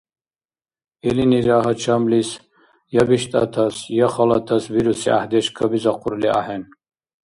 Илинира гьачамлис я биштӀатас, я халатас бируси гӀяхӀдеш кабизахъурли ахӀен.